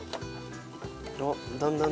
あっだんだん。